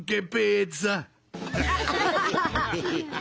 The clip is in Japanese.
ハハハハハ！